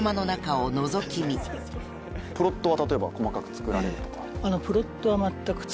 プロットは例えば細かく作られるとか。